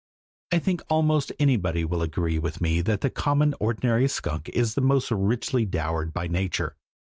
I think almost anybody will agree with me that the common, ordinary skunk has been most richly dowered by Nature.